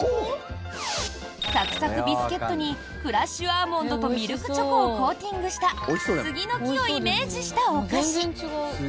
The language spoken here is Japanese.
サクサクビスケットにクラッシュアーモンドとミルクチョコをコーティングした杉の木をイメージしたお菓子。